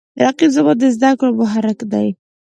رقیب زما د زده کړو محرک دی